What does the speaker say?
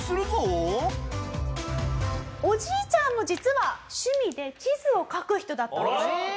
おじいちゃんも実は趣味で地図を描く人だったんです。